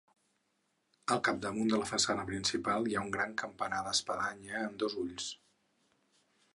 Al capdamunt de la façana principal hi ha un gran campanar d'espadanya amb dos ulls.